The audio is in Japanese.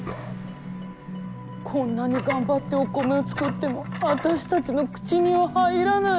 こんなに頑張ってお米を作っても私たちの口には入らない。